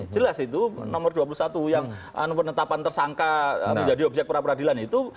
jelas itu nomor dua puluh satu yang penetapan tersangka menjadi objek peradilan itu